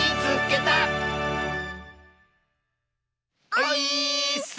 オイーッス！